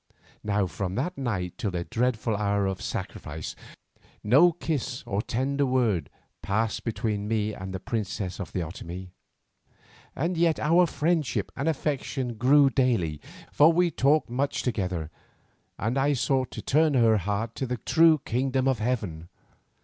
Now from that night till the dreadful hour of sacrifice, no kiss or tender word passed between me and the princess of the Otomie. And yet our friendship and affection grew daily, for we talked much together, and I sought to turn her heart to the true King of Heaven.